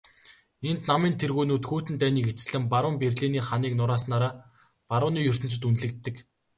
Энэ намын тэргүүнүүд хүйтэн дайныг эцэслэн баруун Берлиний ханыг нурааснаараа барууны ертөнцөд үнэлэгддэг.